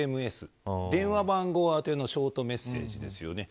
電話番号宛てのショートメッセージです。